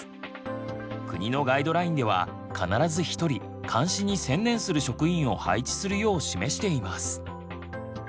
国のガイドラインでは必ず１人監視に専念する職員を配置するよう示しています。